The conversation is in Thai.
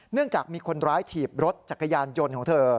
จากมีคนร้ายถีบรถจักรยานยนต์ของเธอ